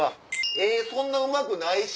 絵そんなうまくないし。